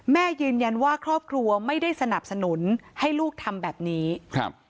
แม่ยืนยันว่าครอบครัวไม่ได้สนับสนุนให้ลูกทำแบบนี้ครับ